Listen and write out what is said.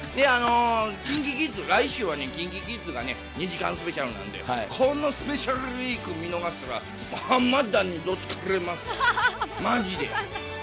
来週はＫｉｎＫｉＫｉｄｓが２時間スペシャルなんで、このスペシャルウィーク見逃したら、浜田にどつかれますから、マジで。